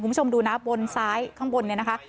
คุณผู้ชมดูนะบนซ้ายข้างบนเนี่ยนะคะ